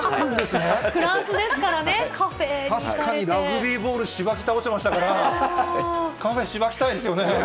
確かにラグビーボールしばき倒していましたから、カフェしばきたいですよね。